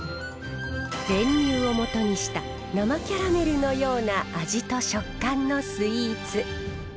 練乳をもとにした生キャラメルのような味と食感のスイーツ。